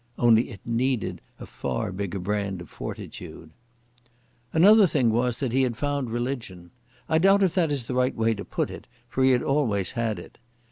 Only it needed a far bigger brand of fortitude. Another thing was that he had found religion. I doubt if that is the right way to put it, for he had always had it.